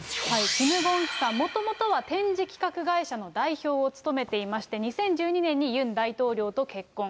キム・ゴンヒさん、もともとは展示企画会社の代表を務めていまして、２０１２年にユン大統領と結婚。